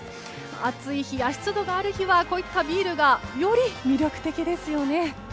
暑い日や湿度がある日はこういったビールがより魅力的ですよね。